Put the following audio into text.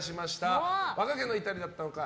若気の至りだったのか